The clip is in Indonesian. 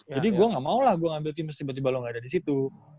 jadi gue gak maulah gue ngambil tim terus tiba tiba lo gak ada disitu